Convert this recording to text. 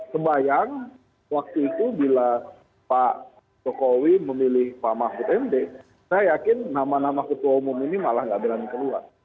sebayang waktu itu bila pak jokowi memilih pak mahfud md saya yakin nama nama ketua umum ini malah gak berani keluar